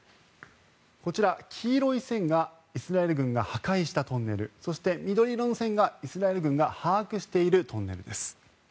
こちら、黄色い線がイスラエル軍が破壊したトンネルそして、緑色の線がイスラエル軍が把握しているトンネルです。